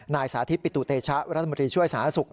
นายสาธิบปิตุเตชะรัฐบุรีช่วยสหสมศักดิ์ศุกร์